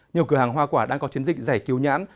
nhiều cửa hàng hoa quả đang có chiến dịch giải cứu nhãn